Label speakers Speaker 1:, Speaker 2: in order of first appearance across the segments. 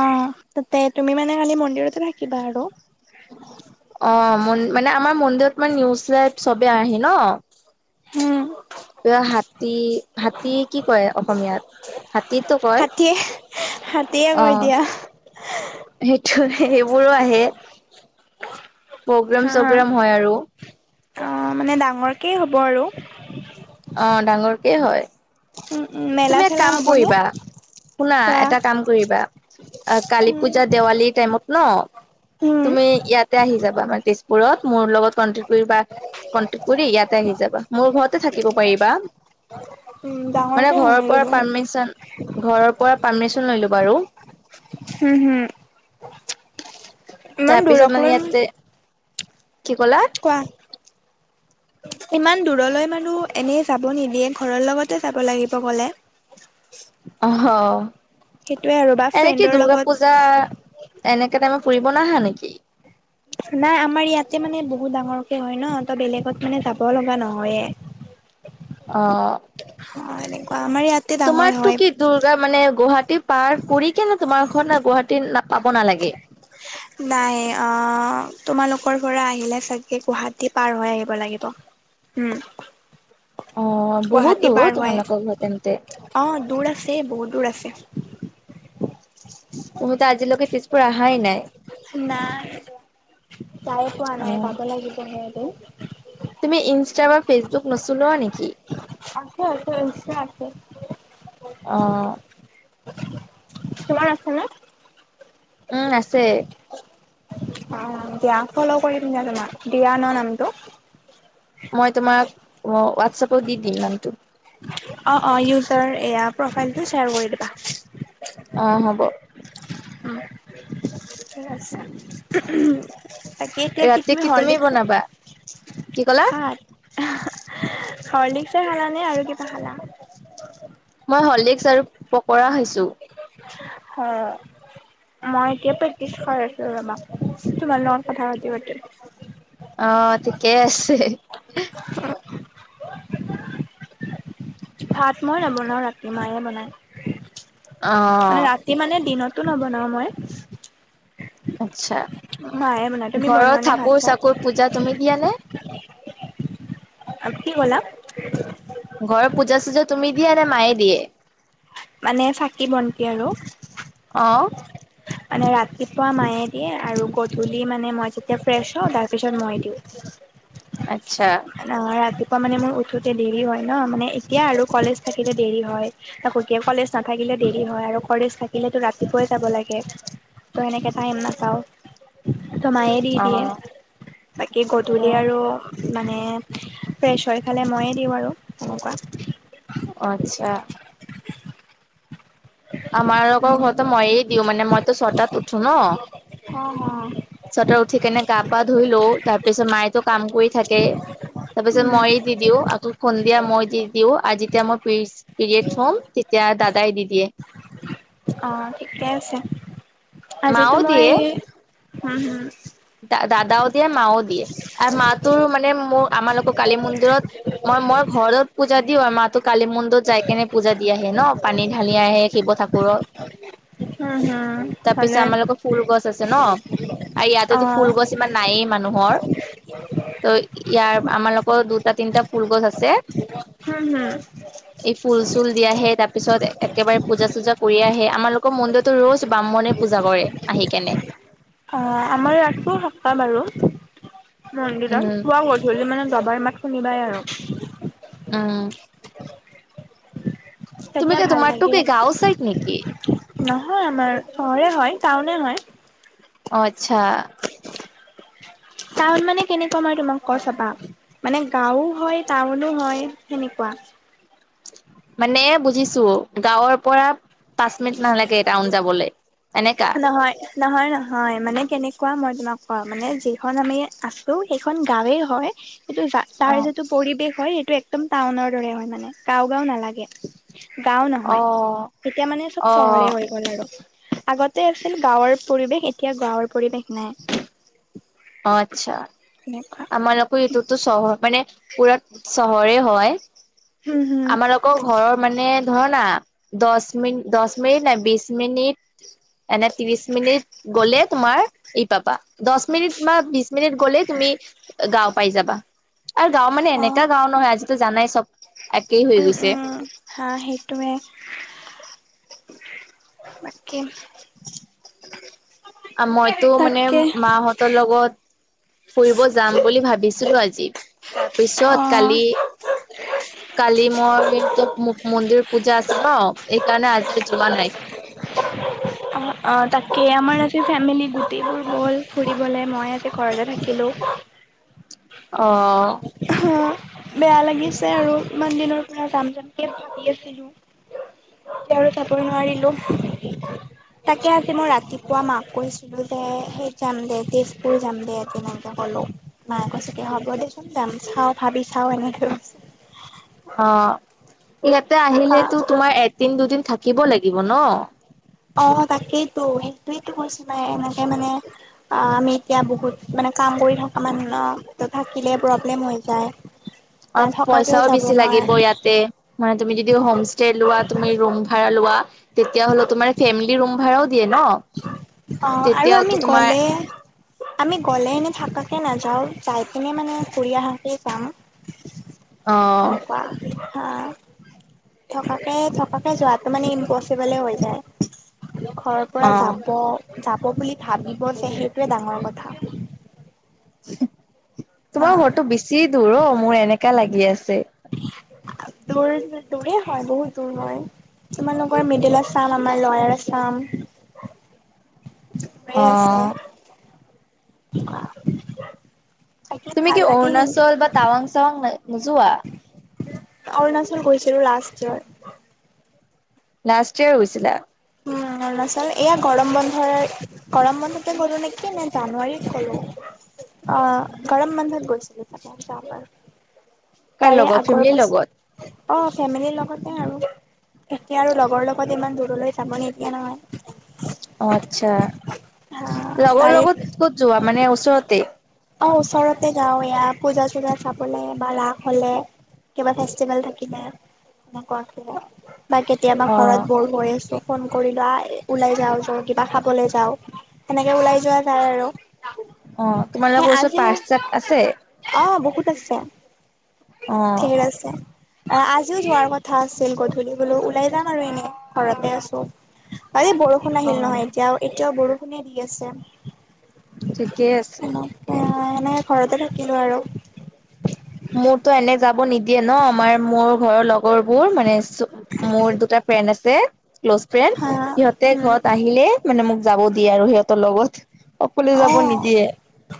Speaker 1: অ, তাতে তুমি মানে কালি মন্দিৰতে থাকিবা আৰু।
Speaker 2: অ, মানে আমাৰ মন্দিৰত মানে নিউজ লাইভ চবেই আহে ন'।
Speaker 1: উম।
Speaker 2: কিবা হাতী - হাতী কি কয় অসমীয়াত হাতী ত কয়?
Speaker 1: তী আহ হাতীয়ে
Speaker 2: অ
Speaker 1: কৈ দিয়া।
Speaker 2: সেইটো - সেইবোৰো আহে। পগ্ৰাম -
Speaker 1: হা,
Speaker 2: চগ্ৰাম হয় আৰু।
Speaker 1: অ, মানে ডাঙৰকেই হ'ব আৰু।
Speaker 2: অ, ডাঙৰকে হয়
Speaker 1: উম, উম, মেলা
Speaker 2: তুমি এক
Speaker 1: চেলা
Speaker 2: কাম
Speaker 1: হ'বনে
Speaker 2: কৰিবা? শুনা
Speaker 1: খোৱা?
Speaker 2: এটা কাম কৰিবা অ, কালী
Speaker 1: উম।
Speaker 2: পূজা দেৱালী টাইমত ন'
Speaker 1: উম,
Speaker 2: তুমি ইয়াত তে আহি যাবা আমাৰ তেজপুৰত মোৰ লগত কণ্টেক্ট কৰিবা, কণ্টেক্ট কৰি ইয়াতে আহি যাবা। মোৰ ঘৰতে থাকিব পাৰিবা।
Speaker 1: হয়। [inaudible]
Speaker 2: মানে
Speaker 1: ডাঙৰকে
Speaker 2: ঘৰৰ
Speaker 1: নেকি
Speaker 2: পৰা
Speaker 1: বহুত?
Speaker 2: পাৰ্মিশন - ঘৰৰ পৰা পাৰ্মিশন লৈলো বাৰু।
Speaker 1: হুম-হুম, ইমান
Speaker 2: তাৰপিছত
Speaker 1: দূৰক
Speaker 2: মানে
Speaker 1: লৈম
Speaker 2: ইয়াতে কি ক'লা?
Speaker 1: কোৱা? ইমান দূৰলৈ মানু এনে যাব নিদিয়ে ঘৰৰ লগতে যাব লাগিব গলে।
Speaker 2: অহ।
Speaker 1: সেইটোয়ে আৰু বা
Speaker 2: এনে কি
Speaker 1: ফ্ৰেণ্ডৰ
Speaker 2: দূৰ্গা
Speaker 1: লগত।
Speaker 2: পূজা এনেকে টাইমে ফুৰিব নাহা নিকি?
Speaker 1: নাই আমাৰ ইয়াতে মানে বহুত ডাঙৰকে হয় ন, ত বেলেগত মানে যাব লগা নহয়ে।
Speaker 2: অ।
Speaker 1: অ, এনেকুৱা আমাৰ ইয়াত
Speaker 2: তোমাৰটো কি দুৰ্গা মানে গুৱাহাটী পাৰ কৰি কেনে তোমাৰ ঘৰত গুৱাহাটী না পাব নালাগে?
Speaker 1: নাই অ, তোমালোকৰ পৰা আহিলে চাগে গুৱাহাটী পাৰ হৈ আহিব লাগিব। উম।
Speaker 2: অ, বহুত
Speaker 1: গুৱাহাটী
Speaker 2: দূৰ
Speaker 1: পাৰ
Speaker 2: অ
Speaker 1: হয়
Speaker 2: তোমালোকৰ ঘৰ তেন্তে।
Speaker 1: অ, দূৰ আছে বহুত দূৰ আছে।
Speaker 2: তুমিতো আজিলৈকে তেজপুৰ আহাই নাই?
Speaker 1: নাই, যাই পোৱা নাই
Speaker 2: অ'।
Speaker 1: যাব লাগিবহে এদিন।
Speaker 2: তুমি ইনষ্টা বা ফেচবুক নচলোৱা নেকি?
Speaker 1: আছে - আছে ইনষ্টা আছে।
Speaker 2: অ।
Speaker 1: তোমাৰ আছে নে?
Speaker 2: উম আছে।
Speaker 1: অ দিয়া ফল' কৰিম ন তোমাক, দিয়া ন নামটো?
Speaker 2: মই তোমাক অ হোৱাটছআপত দি দিম নামটো।
Speaker 1: অঁ অঁ ইউজাৰ এয়া প্ৰফাইলটো শ্বেয়াৰ কৰি দিবা।
Speaker 2: অ হ'ব।
Speaker 1: কে আছে, উহুম তাকে এতিয়া কি তুমি হৰলিকচ
Speaker 2: কি ক'লা?
Speaker 1: ভাত, আহ হৰ্লিকচে খালা নে আৰু কিবা খালা?
Speaker 2: মই হৰ্লিকচ আৰু পকৰা খাইছো।
Speaker 1: হ। মই এতিয়া প্ৰেক্টিচ কৰি আছো ৰবা! তোমাৰ লগত কথা পাতি পাতিল।
Speaker 2: অ ঠিকেই আছে।
Speaker 1: ভাত মই নবনাওঁ ৰাতি মায়ে বনায়।
Speaker 2: অ।
Speaker 1: তি মানে দিনতো নবনাওঁ মই।
Speaker 2: আচ্ছা।
Speaker 1: মাই বনাই। তুমি
Speaker 2: ঘৰৰ
Speaker 1: বনোৱা নে ভাত
Speaker 2: ঠাকুৰ
Speaker 1: - চাত?
Speaker 2: চাকুৰ পূজা তুমি দিয়া নে?
Speaker 1: আৰু কি ক'লা?
Speaker 2: ঘৰৰ পূজা চূজা তুমি দিয়া নে মায়ে দিয়ে?
Speaker 1: মানে চাকি বন্তি আৰু।
Speaker 2: অ।
Speaker 1: মানে ৰাতিপুৱা মায়ে দিয়ে আৰু গধূলি মানে মই যেতিয়া ফ্ৰেছ হওঁ তাৰপিছত মই দিওঁ।
Speaker 2: আচ্ছা।
Speaker 1: ন ৰাতিপুৱা মানে মোৰ উঠোতে দেৰি হয় ন মানে এতিয়া আৰু কলেজ থাকিলে দেৰি হয়। তাকো কলেজ নাথাকিলে দেৰি হয় আৰু কলেজ থাকিলেতো ৰাতিপুৱাই যাব লাগে। ত এনেকে তাইম নাপাওঁ ত মায়ে, দি দিয়ে,
Speaker 2: অ'
Speaker 1: বাকি গধূলি
Speaker 2: অ'
Speaker 1: আৰু মানে ফ্ৰেছ হৈ পালে ময়ে দিওঁ আৰু এনেকুৱা।
Speaker 2: আচ্ছা। আমাৰ আক ঘৰততো ময়ে দিওঁ, মানে মইতো ছটাত উঠো ন।
Speaker 1: অ হয়।
Speaker 2: ছটাত উঠি কেনে গা পা ধুই লও, তাৰ পিছত মায়েতো কাম কৰি থাকে। তাৰ পিছত
Speaker 1: উম
Speaker 2: মইয়ে দি দিওঁ, আকৌ সুন্দিয়া মই দি দিওঁ আৰু যেতিয়া মই পিছ- পিৰিয়ড হম তেতিয়া দাদাই দি দিয়ে।
Speaker 1: অ ঠিকে আছে, আজিতো
Speaker 2: মাও
Speaker 1: মই
Speaker 2: দিয়ে
Speaker 1: হম হম।
Speaker 2: দাদাও দিয়ে মাও দিয়ে আৰু আমাটো মানে মোৰ আমাৰটো কৰ কালী মন্দিৰত, মই মই ঘৰত পূজা দিওঁ আৰু মাতো কালি মন্দ- ত যাই কেনে পূজা দি আহে ন পানী ঢালি আহে শিৱ ঠাকুৰৰ।
Speaker 1: হম হম হম
Speaker 2: তাৰপিছত
Speaker 1: ভালে
Speaker 2: আমালোকৰ ফুল গছ আছে ন আৰু ইয়াতে-
Speaker 1: অ'
Speaker 2: ছিমান নায়েই মানুহৰ। ত' ইয়াৰ আমাৰালোকৰ দুটা তিনিটা ফুলগছ আছে,
Speaker 1: হম হুম।
Speaker 2: এই ফুল চুল দি আহে তাৰ পিছত একেবাৰে পূজা চূজা কৰি আহে আমালোকৰ মন্দিৰ- ত ৰজ ব্ৰাহ্মণে পূজা কৰে আহি কেনে।
Speaker 1: অ আমাৰ ৰাতি সপ্তাহ আৰু মন্দিৰত
Speaker 2: উম
Speaker 1: পোৱা। গধূলি মানে দবাৰ মাত শুনিবাই আৰু
Speaker 2: উম। তুমি
Speaker 1: তেতিয়া
Speaker 2: ক
Speaker 1: ভাল
Speaker 2: তোমাৰটো
Speaker 1: লাগে
Speaker 2: কি গাঁও চাইড নেকি?
Speaker 1: নহয় আমাৰ চহৰে হয় টাউনে হয়।
Speaker 2: অ আচ্ছা।
Speaker 1: টাউন মানে কেনেকুৱা মই তোমাক কৈছো ৰবা। মানে গাঁও হয় টাউনো হয় সেনেকুৱা
Speaker 2: মানে বুজিছো গাঁৱৰ পৰা পাঁচ মিনিট নালাগে টাউন যাবলে এনেকা
Speaker 1: নহয় নহয় নহয় মানে কেনেকুৱা মই তোমাক কওঁ মানে যিখন আমি আছো কিন্তু সেইখন গাঁৱেই হয় এইটো তাৰ
Speaker 2: অ
Speaker 1: যিটো পৰিৱেশ হয় সেইটো একদম টাউনৰ দৰে হয় মানে গাঁও গাঁও নালাগে গাঁও
Speaker 2: অ
Speaker 1: নহয় এতিয়া মানে চব
Speaker 2: অ
Speaker 1: চহৰে হয়। আৰু আগতে আছিল গাঁৱৰ পৰিৱেশ এতিয়া গাঁৱৰ পৰিৱেশ নাই।
Speaker 2: অ আচ্ছা
Speaker 1: এনেকুৱা
Speaker 2: তোমালোকৰ এইটোতো চহৰ মানে পুৰা চহৰে হয়
Speaker 1: হম হম
Speaker 2: আমালোকৰ ঘৰৰ মানে ধৰ না দহ মিনিট দহ মিনিট নাই বিশ মিনিট এনে ত্ৰিশ মিনিট গলে তোমাৰ ই পাবা দহ মিনিট বা বিছ মিনিট গ'লে তুমি গাঁও পাই যাবা। আৰু গাঁও মানে
Speaker 1: অ
Speaker 2: এনেকা গাঁও নহয় আজিতো জানাই চব একেই হৈ
Speaker 1: উম
Speaker 2: গৈছে
Speaker 1: উম হা সেইটোৱে বাকী [inaudible]
Speaker 2: আ মইতো মানে
Speaker 1: তাকে
Speaker 2: মাহঁতৰ লগত ফুৰিব যাম বুলি ভাবিছিলো আজি।
Speaker 1: অ
Speaker 2: পিছত কালি কালি মোৰ [unintelligible] মন্দিৰ পূজা আছিল ন? সেইকাৰণে আজি যোৱা নাই।
Speaker 1: [unintelligible] অ অ তাকেই আমাৰ আজি ফেমিলি গোটেইবোৰ গ'ল ফুৰিবলে মই আজি ঘৰতে থাকিলোঁ।
Speaker 2: অহ
Speaker 1: অ বেয়া লাগিছে আৰু ইমান দিনৰ পৰা যাম যামকে ভাবি আছিলোঁ। এতিয়া আৰু যাবই নোৱাৰিলো। তাকে আজি মই ৰাতি পুৱা মাক কৈছিলো যে সেই যাম দে তেজপুৰ যাম দে তেনেকে ক'লো। মায়ে কৈছে কি হ'ব দেচোন যাম। চাওঁ ভাবি চাও এনেকে কৈছে।
Speaker 2: অ ইয়াতে
Speaker 1: অ',
Speaker 2: আহিলেতো তোমাৰ এদিন, দুদিন থাকিব লাগিব ন।
Speaker 1: অ তাকেইতো সেইটোৱেতো কৈছে মায়ে। মানে মানে অ, আমি এতিয়া বহুত মানে কাম কৰি থকা মানুহ ন। ত থাকিলে প্ৰব্লেম হৈ যায়। নথকাকেও যাব নোৱা
Speaker 2: তে মানে তুমি যদি হোম ষ্টে লোৱা, তুমি ৰুম ভাড়া লোৱা তেতিয়া হ'লে তোমাৰ ফেমিলি ৰুম ভাড়াও দিয়ে ন?
Speaker 1: অ আৰু
Speaker 2: তেতিয়াওতো
Speaker 1: আমি
Speaker 2: তোমাৰ
Speaker 1: গ'লে আমি গ'লে এনেই থাকাকে নাযাওঁ। যাই কিনে মানে ঘূৰি আহাকেই যাম।
Speaker 2: অ
Speaker 1: সেনেকুৱা হা। থকাকে থকাকে যোৱাটো মানে ইমপচিবলে হৈ যায়। ঘৰৰ পৰা
Speaker 2: অ
Speaker 1: যাব। যাব বুলি ভাবিব যে সেইটোৱে ডাঙৰ কথা। অ
Speaker 2: তোমাৰ ঘৰটো বেছি দূৰ অ মোৰ এনেকা লাগি আছে।
Speaker 1: দূৰ দূৰে হয়। বহুত দূৰ হয়। তোমালোকৰ মিডিল আচাম, আমাৰ লয়াৰ আচাম। হৈ আছে, আ।
Speaker 2: অ তুমি কি অৰুণাচল বা টাৱাং চাৱাং ন নোযোৱা?
Speaker 1: অৰুণাচল গৈছিলো লাষ্ট ইয়াৰ।
Speaker 2: লাষ্ট ইয়েৰ গৈছিলা?
Speaker 1: উম অৰুণাচল এয়া গৰম বন্ধ ধৰ গৰম বন্ধতে গ'লো নেকি নে জানুৱাৰীত গলো। অ গৰম বন্ধত গৈছিলো তাতে যোৱাবাৰ।
Speaker 2: কাৰ
Speaker 1: তাৰে
Speaker 2: লগত
Speaker 1: আগৰ
Speaker 2: ফেমিলিৰ
Speaker 1: বছ,
Speaker 2: লগত?
Speaker 1: অ ফেমিলিৰ লগতে আৰু। এতিয়া আৰু লগৰ লগত ইমান দূৰলৈ যাব নিদিয়ে নহয়।
Speaker 2: অ আচ্ছা লগৰ
Speaker 1: তাৰে
Speaker 2: লগত ক'ত যোৱা? মানে ওচৰতে।
Speaker 1: অ ওচৰতে যাওঁ। এয়া পূজা-চূজা চাবলে বা ৰাস হ'লে। কিবা ফেষ্টিভেল থাকিলে [unintelligible] বা কেতিয়াবা
Speaker 2: অ
Speaker 1: ঘৰত বৰ হৈ আছো। ফোন কৰি লও আহ ওলাই যাওঁ য, কিবা খাবলৈ যাওঁ। সেনেকে ওলাই যোৱা যায় আৰু।
Speaker 2: অ,
Speaker 1: সেই
Speaker 2: তোমালোকৰ ওচৰত
Speaker 1: আজিও
Speaker 2: পাৰ্ক-চাৰ্ক আছে?
Speaker 1: অ বহুত আছে,
Speaker 2: অ
Speaker 1: ঢেৰ আছে। অ আজিও যোৱাৰ কথা আছিল। গধূলি বোলো ওলাই যাম আৰু এনে ঘৰতে আছো। আজি বৰষুণ
Speaker 2: অ
Speaker 1: আহিল নহয় এতিয়াও। এতিয়াও বৰষুণে দি আছে।
Speaker 2: ঠিকে আছে।
Speaker 1: এইয়া এনে ঘৰতে থাকিলো আৰু।
Speaker 2: মোৰতো এনে যাব নিদিয়ে ন। মায়ে মোৰ ঘৰৰ লক লগৰবোৰ মানে মোৰ দুটা ফ্ৰেণ্ড আছে। ক্ল'জ ফ্ৰেণ্ড
Speaker 1: হা
Speaker 2: সিহঁতে
Speaker 1: উম
Speaker 2: ঘৰত আহিলে মানে মোক যাব দিয়ে আৰু সিহঁতৰ লগত। অকলে
Speaker 1: অ,
Speaker 2: যাব নিদিয়ে।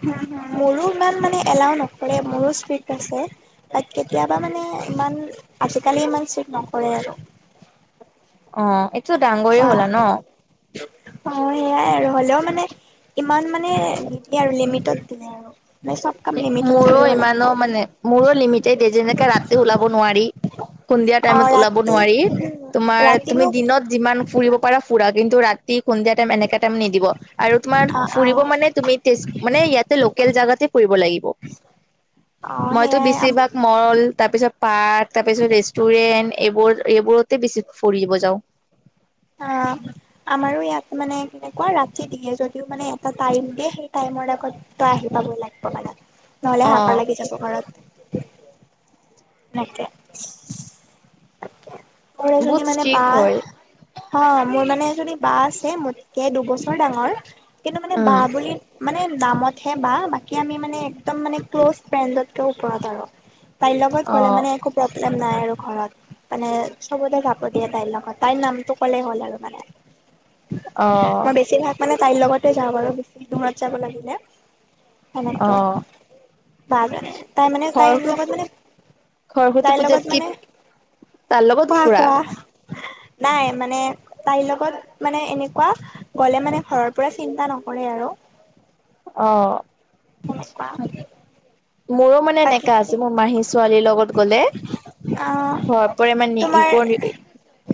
Speaker 1: মোৰো ইমান মানে এলাও নকৰে, মোৰো ষ্ট্ৰিক্ট আছে। বাট কেতিয়াবা মানে ইমান আজি-কালি ইমান চেক নকৰে আৰু।
Speaker 2: অ একটো ডাঙৰে
Speaker 1: কোৱা
Speaker 2: হলা ন।
Speaker 1: অ সেয়াই আৰু হ'লেও মানে- ইমান মানে দিলে আৰু লিমিটত দিলে আৰু। মানে চব কাম লিমিটত
Speaker 2: মোৰো
Speaker 1: কৰিব লাগিব।
Speaker 2: ইমানো মানে মোৰো লিমিটেড যেনেকে ৰাতি ওলাব নোৱাৰি। খুন্ধিয়া
Speaker 1: অ
Speaker 2: টাইমত ওলাব
Speaker 1: ৰাতি
Speaker 2: নোৱাৰি, তোমাৰ
Speaker 1: ৰাতি
Speaker 2: তুমি
Speaker 1: মোক
Speaker 2: দিনত- যিমান ফুৰিব পাৰা ফুৰা। কিন্তু ৰাতি, সন্ধিয়া টাইম এনেকা টাইম নিদিব আৰু তোমাৰ
Speaker 1: অ অ
Speaker 2: ফুৰিব মানে
Speaker 1: অ
Speaker 2: তুমি তেজ মানে ইয়াতে লোকেল জাগাতে ফুৰিব লাগিব। মইটো
Speaker 1: সেয়াই
Speaker 2: বেছিভাগ
Speaker 1: অ
Speaker 2: মল, তাৰ পিছত পাৰ্ক, তাৰ পিছত ৰেষ্টুৰেন্ট এইবোৰ এইবোৰতে বেছি ফুৰিব যাওঁ।
Speaker 1: অ। আমাৰো ইয়াত মানে কেনেকুৱা ৰাতি দিয়ে যদিও মানে এটা টাইম দিয়ে, সেই টাইমৰ আগত- তই আহি পাবই লাগিব মানে, নহলে
Speaker 2: অ
Speaker 1: হাকাৰ লাগি যাব ঘৰত। এনেকে সৰু
Speaker 2: বহুত
Speaker 1: এজনী মানে
Speaker 2: ষ্ট্ৰিক
Speaker 1: বা-
Speaker 2: হয়
Speaker 1: হঅ মোৰ মানে এজনী বা আছে মোতকে দুবছৰ ডাঙৰ কিন্তু মানে বা
Speaker 2: উম
Speaker 1: বুলি- মানে নামতহে বা বাকী আমি মানে একদম মানে ক্ল'জ ফ্ৰেণ্ডতকে ওপৰত আৰু। বাই লগত
Speaker 2: অ
Speaker 1: গ'লে মানে একো প্ৰব্লেম নাই আৰু ঘৰত। মানে চবতে যাব দিয়ে তাইৰ লগত। তাইৰ নামটো ক'লেই হ'ল আৰু মানে।
Speaker 2: অ
Speaker 1: মই বেছিভাগ মানে তাইৰ লগতে যাওঁ বাৰু বেছি দূৰত যাব লাগিলে।
Speaker 2: অ
Speaker 1: সেনেকে বা জানে। তাই মানে তাই এনি লগত মানে-
Speaker 2: সৰস্বতী
Speaker 1: তাইৰ
Speaker 2: পূজাত
Speaker 1: লগত
Speaker 2: কি
Speaker 1: মানে
Speaker 2: তাৰ লগত
Speaker 1: কোৱা
Speaker 2: ফুৰা
Speaker 1: কোৱা- নাই মানে তাইৰ লগত মানে এনেকুৱা- গ'লে মানে ঘৰৰ পৰাই চিন্তা নকৰে আৰু।
Speaker 2: অ
Speaker 1: সোনোকোৱা
Speaker 2: মোৰো মানে এনেকা আছে। মোৰ মাহী ছোৱালীৰ লগত- কলে,
Speaker 1: আহ
Speaker 2: ঘৰ পৰা মানে একো,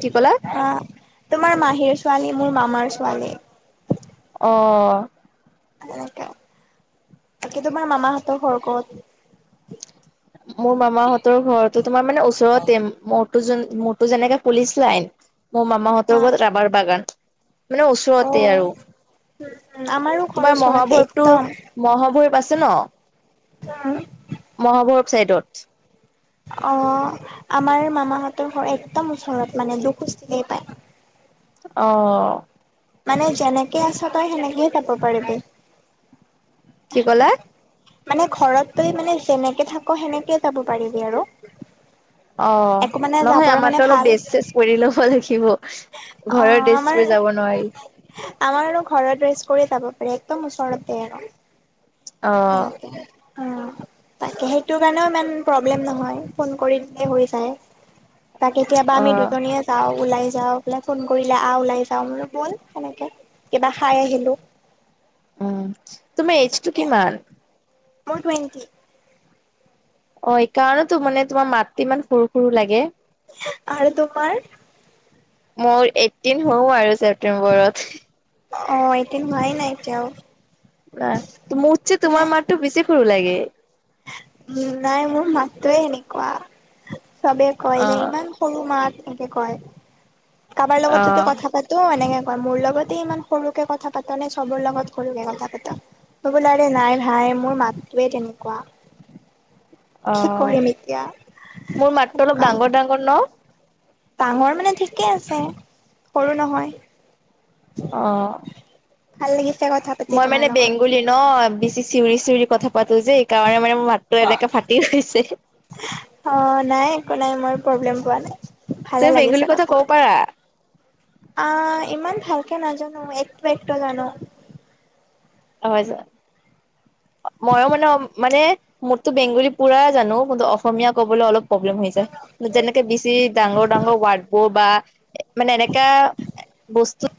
Speaker 2: কি কলা?
Speaker 1: অ তোমাৰ মাহীৰ ছোৱালী মোৰ মামাৰ ছোৱালী।
Speaker 2: অ
Speaker 1: সেনেকে বাকী তোমাৰ মামাহঁতৰ ঘৰ কত?
Speaker 2: মোৰ মামাহতৰ ঘৰতো তোমাৰ মানে ওচৰতে মোৰতো যোন মোৰতো যেনেকে পুলিচ লাইন। মোৰ
Speaker 1: অ
Speaker 2: মামাহঁতৰ ঘৰ ৰাবাৰ বাগান মানে
Speaker 1: অ
Speaker 2: ওচৰতে আৰু।
Speaker 1: আমাৰো ঘৰ
Speaker 2: তোমাৰ
Speaker 1: ওচৰতে
Speaker 2: মহাভৈৰৱ টো
Speaker 1: একদম
Speaker 2: মহাভৈৰৱ আছে ন।
Speaker 1: উম।
Speaker 2: মহাভৈৰৱ চাইডত।
Speaker 1: অ আমাৰ মামাহতঁৰ ঘৰ একদম ওচৰত মানে দুখোজ দিলেই পায়।
Speaker 2: অ
Speaker 1: মানে যেনেকে আছ তই সেনেকেই যাব পাৰিবি।
Speaker 2: কি কলা?
Speaker 1: মানে ঘৰত তুমি মানে যেনেকে থাক সেনেকে যাব পাৰিবি আৰু।
Speaker 2: অ
Speaker 1: একো মানে
Speaker 2: নহয়
Speaker 1: যাবৰ কাৰণে
Speaker 2: আমাৰতো অলপ
Speaker 1: ভাল
Speaker 2: ডেছ চেচ কৰি ল'ব লাগিব।
Speaker 1: অ
Speaker 2: ঘৰৰ ডেছ
Speaker 1: আমাৰ
Speaker 2: কৰি যাব নোৱাৰি।
Speaker 1: আমাৰ আৰু ঘৰত ৰেষ্ট কৰি যাব পাৰে একদম ওচৰতে আৰৰ।
Speaker 2: অ
Speaker 1: সেনেকে অ তাকে সেইটো কাৰণেও ইমান প্ৰব্লেম নহয় ফোন কৰি দিলেই হৈ যায়। তাক কেতিয়াবা
Speaker 2: অ
Speaker 1: আমি দুজনীয়ে যাও ওলাই যাওঁ বোলে ফোন কৰিলে আহ ওলাই যাও, মই বোলো বওল সেনেকে কিবা খাই আহিলো
Speaker 2: উম তুমাৰ এইজটো কিমান?
Speaker 1: মোৰ টুৱেণ্টি
Speaker 2: অ এইকাৰণেটো মানে তোমাৰ মাত ইমান সৰু সৰু লাগে।
Speaker 1: আৰু তোমাৰ?
Speaker 2: মোৰ এইটিন হও আৰু ছেপ্টেম্বৰত।
Speaker 1: অ এতিয়া নোহোৱাই নাই এতিয়াও।
Speaker 2: লা তো মূতছে তোমাৰ
Speaker 1: নাই।
Speaker 2: মাতটো বেছি সৰু লাগে।
Speaker 1: উম, নাই মোৰ মাতটোৱে এনেকুৱা, চবে
Speaker 2: অ
Speaker 1: কয় যায় ইমান সৰু মাত এনেকে কয়, কাৰোবাৰ
Speaker 2: অ
Speaker 1: লগত যদি কথা পা তো এনেকে কয় মোৰ লগতে ইমান সৰুকে কথা পাত নে চবৰ লগত সৰুকে কথা পাতা হবোলাৰে নাই ভাই মোৰ মাতটোৱে তেনেকুৱা।
Speaker 2: অ
Speaker 1: কি কৰিম এতিয়া
Speaker 2: মোৰ মাতটো অলপ
Speaker 1: সেনেকুৱা
Speaker 2: ডাঙৰ ডাঙৰ ন?
Speaker 1: ডাঙৰ মানে ঠিকেই আছে সৰু নহয়
Speaker 2: অ,
Speaker 1: ভাল লাগিছে কথা পাতি
Speaker 2: মই মানে
Speaker 1: তোমাৰ লগত
Speaker 2: বেংগলী ন বিছ চি চিউৰি - চিউৰি কথা পাতো যে এইকাৰণে মানে মাতটো এনেকে ফাটি গৈছে।
Speaker 1: অ নাই একো নাই মই প্ৰব্লেম পোৱা নাই, ভালে
Speaker 2: তুমি বেংগলী
Speaker 1: লাগিছে
Speaker 2: কথা ক'ব
Speaker 1: কথাটো।
Speaker 2: পাৰা
Speaker 1: আ ইমান ভালকে নাজানো, একো একটো জানো।
Speaker 2: অহইজা। অ ময়ো মানে মানে মোৰতো বেংগলী পুৰাই জানো কিন্তু অসমীয়া কবলৈ অলপ প্ৰব্লেম হৈ যায় যেনেকে বেছি ডাঙৰ- ডাঙৰ ৱাৰ্ডবোৰ বা এ মানে এনেকা বস্তু